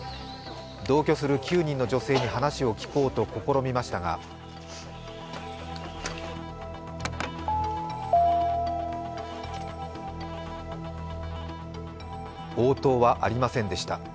同居する９人の女性に話を聞こうと試みましたが応答はありませんでした。